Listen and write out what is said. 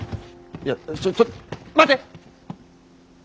いやちょちょちょ待って！